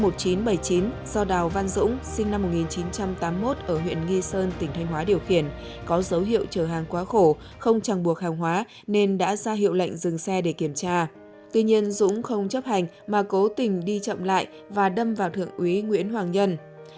tuy nhiên dũng không chấp hành mà cố tình đi chậm lại và đâm vào thượng úy nguyễn hoàng nhân